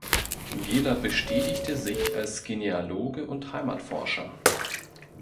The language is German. Gehler betätigte sich als Genealoge und Heimatforscher.